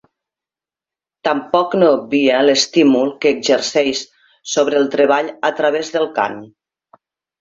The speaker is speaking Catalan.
Tampoc no obvie l’estímul que exerceix sobre el treball a través del cant.